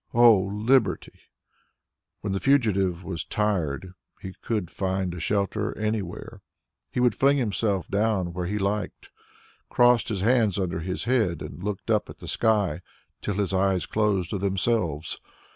O Liberty! When the fugitive was tired, he could find a shelter anywhere. He would fling himself down where he liked, cross his hands under his head, and look up at the sky till his eyes closed of themselves.